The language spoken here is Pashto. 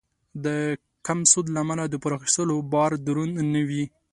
د کم سود له امله د پور اخیستلو بار دروند نه وي.